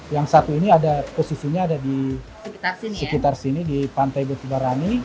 yang satu ini ada posisinya ada di sekitar sini di pantai betibarani